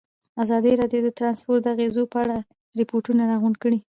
ازادي راډیو د ترانسپورټ د اغېزو په اړه ریپوټونه راغونډ کړي.